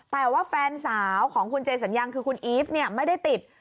แต่ว่าแฟนสาวของคุณเจสัญญังคือคุณอีฟเนี่ยไม่ได้ติด